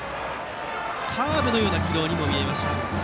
カーブのような軌道にも見えました。